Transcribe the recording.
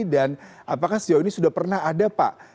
dan apakah sejauh ini sudah pernah ada pak